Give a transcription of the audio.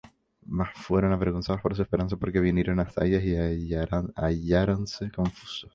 Mas fueron avergonzados por su esperanza; Porque vinieron hasta ellas, y halláronse confusos.